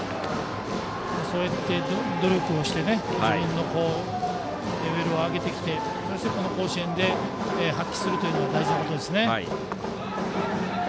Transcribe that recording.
そうやって努力をして自分のレベルを上げてきてこの甲子園で発揮するというのは大事なことですね。